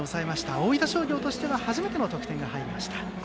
大分商業としては初めての得点が入りました。